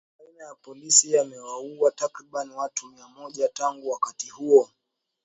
Mapigano baina ya polisi yameuwa takriban watu mia moja tangu wakati huo.